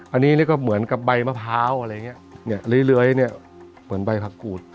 อันนี้นี่ก็เหมือนกับใบมะพร้าวอะไรอย่างเงี้ยเนี่ยเลื้อยเนี่ยเหมือนใบผักกูด